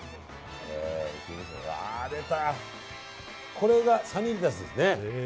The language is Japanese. これがサニーレタスですね。